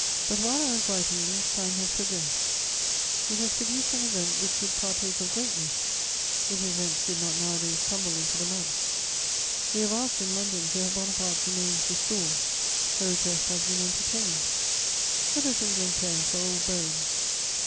* But while I was writing this, time has progressed: it has produced an event which would partake of greatness, if events did not nowadays tumble into the mud. We have asked in London to have Bonaparte's remains restored; the request has been entertained: what does England care for old bones?